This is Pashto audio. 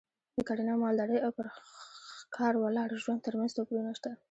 د کرنې او مالدارۍ او پر ښکار ولاړ ژوند ترمنځ توپیرونه شته